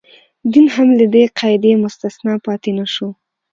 دین هم له دې قاعدې مستثنا پاتې نه شو.